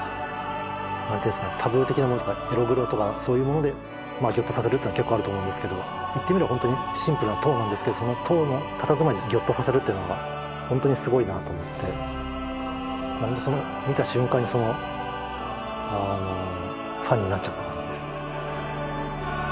エログロとかそういうものでギョッとさせるっていうのは結構あると思うんですけど言ってみればほんとにシンプルな塔なんですけどその塔のたたずまいにギョッとさせるっていうのはほんとにすごいなと思って見た瞬間にそのファンになっちゃった感じですね。